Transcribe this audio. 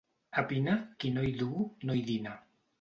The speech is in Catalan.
A Pina, qui no hi duu, no hi dina.